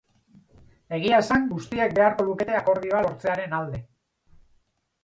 Egia esan, guztiek beharko lukete akordioa lortzearen alde.